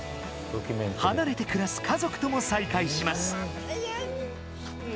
離れて暮らす家族とも再会します。